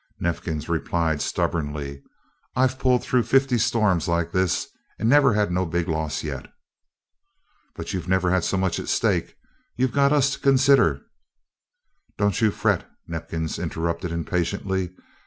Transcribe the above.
Neifkins replied stubbornly: "I've pulled through fifty storms like this and never had no big loss yet." "But you've never had so much at stake. You've got us to consider " "Don't you fret!" Neifkins interrupted impatiently.